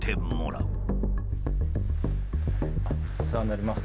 お世話になります。